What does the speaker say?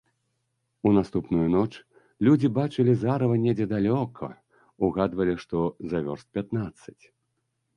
У наступную ноч людзі бачылі зарыва недзе далёка, угадвалі, што за вёрст пятнаццаць.